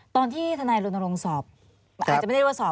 ตอนที่ทนายลงสอบอาจจะไม่ได้รู้ว่าสอบ